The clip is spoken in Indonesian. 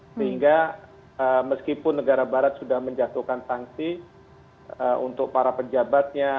sehingga meskipun negara barat sudah menjatuhkan sanksi untuk para pejabatnya